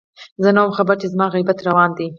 زه نه وم خبر چې زما غيبت روان دی